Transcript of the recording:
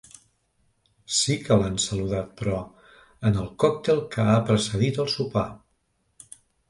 Sí que l’han saludat, però, en el còctel que ha precedit el sopar.